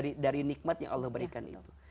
dari nikmat yang allah berikan itu